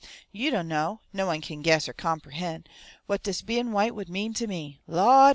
"Yo' don' know no one kin guess or comperhen' what des bein' white would mean ter me! Lawd!